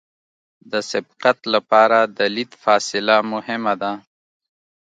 د سبقت لپاره د لید فاصله مهمه ده